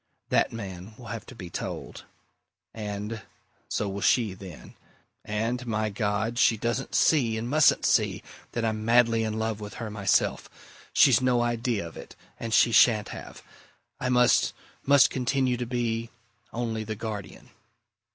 That man will have to be told! And so will she, then. And my God! she doesn't see, and mustn't see, that I'm madly in love with her myself! She's no idea of it and she shan't have; I must must continue to be only the guardian!"